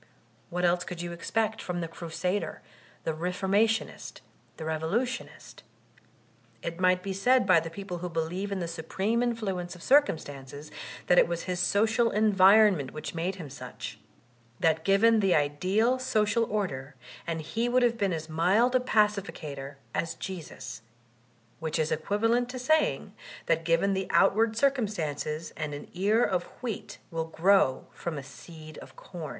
What else could you expect from the Crusader, the Re formationist, the Revolutionist? It might be said by the people who believe in the supreme influence of cir cumstances, that it was his social environment which a88 YOLTAIRINB DB ClEYXB made him such — ^that given the ideal social order and he would have been as mild a pacificator as Jesus : which is equivalent to saying that given the outward circum stances and an ear of wheat will grow from a seed com.